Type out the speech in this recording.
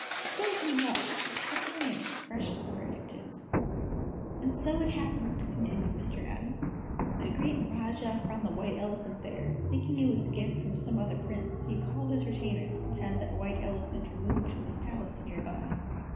"Don't interrupt! That's only an expression," corrected Tibbs. "And it so happened," continued Mr. Atom, "that a great Rajah found the White Elephant there. Thinking it was a gift from some other Prince, he called his retainers, and had the White Elephant removed to his palace, near by."